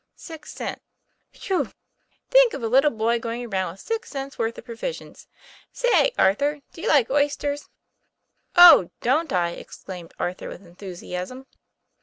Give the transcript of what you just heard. "Six cents." "Whew! think of a little boy going around with six cents' worth of provisions say, Arthur, do you like oysters ?'" Oh, don't I ?" exclaimed Arthur with enthusiasm.